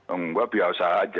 enggak biasa aja